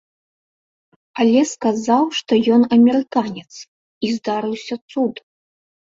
Але сказаў, што ён амерыканец, і здарыўся цуд!